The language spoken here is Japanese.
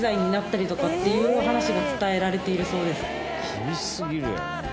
「厳しすぎるよね」